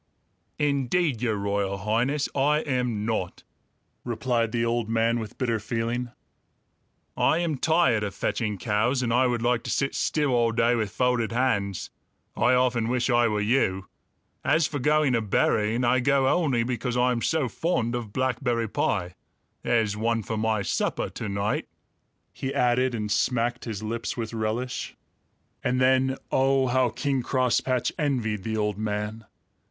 "Indeed, Your Royal Highness, I am not!" replied the old man with bitter feeling. "I am tired of fetching cows, and I would like to sit still all day with folded hands. I often wish I were you. As for going a berrying; I go only because I am so fond of blackberry pie. There's one for my supper to night," he added, and smacked his lips with relish. And then, oh, how King Crosspatch envied the old man!